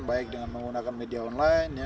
baik dengan menggunakan media online